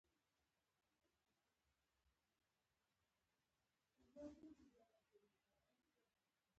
شواب ته هغه ماښامنۍ مېلمستیا او هغه مشهوره شوې وينا يې جوړه کړې وه.